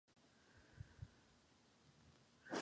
Si se trata debidamente el riesgo existente es mínimo.